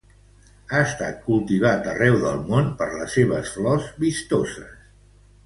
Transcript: Ha estat cultivat arreu del món per les seves flors vistoses.